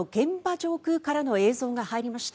上空からの映像が入りました。